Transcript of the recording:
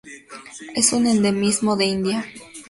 Es un endemismo de India.